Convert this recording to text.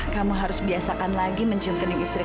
kamu harus biasakan lagi mencium kening istri